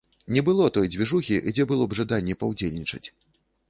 Не было той дзвіжухі, дзе было б жаданне паўдзельнічаць.